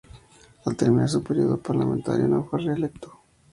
Al terminar su período parlamentario no fue reelecto.